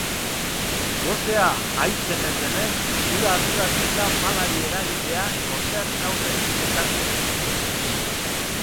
Gosea ahitzen ez denez, hura arduratzen da palari eragitea gosearen aurretik kokatzeaz.